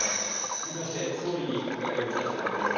続きまして総理にお伺いをさせていただきます。